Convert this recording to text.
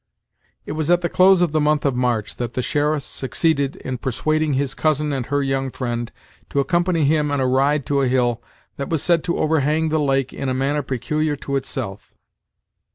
It was at the close of the month of March, that the sheriff succeeded in persuading his cousin and her young friend to accompany him in a ride to a hill that was said to overhang the lake in a manner peculiar to itself.